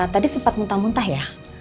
tadi sempat muntah muntah ya